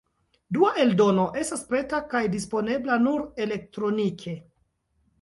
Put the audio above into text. Dua eldono estas preta kaj disponebla nur elektronike.